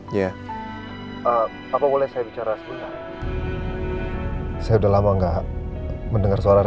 iya apa boleh saya bicara sebentar saya udah lama enggak mendengar suara